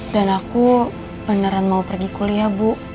dan aku beneran mau pergi kuliah bu